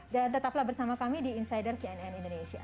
dan tetaplah bersama kami di insider cnn indonesia